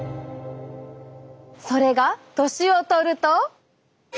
それが年をとると。